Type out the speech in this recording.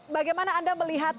bagaimana anda melihat alubank